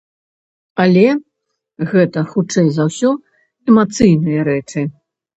Але гэта, хутчэй за ўсё, эмацыйныя рэчы.